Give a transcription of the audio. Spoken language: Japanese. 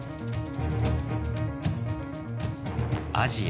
アジア